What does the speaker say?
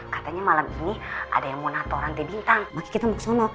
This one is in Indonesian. katanya malam ini ada yang mau natoran t bintang makanya kita mau ke sana